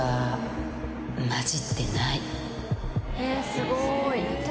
すごい！